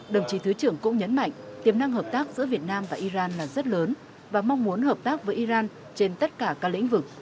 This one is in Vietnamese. đồng chí thứ trưởng cũng nhấn mạnh tiềm năng hợp tác giữa việt nam và iran là rất lớn và mong muốn hợp tác với iran trên tất cả các lĩnh vực